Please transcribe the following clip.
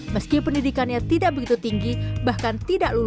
meski pendidikannya tidak begitu tinggi bahkan tidak lulus